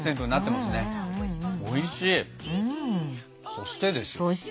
そしてですよ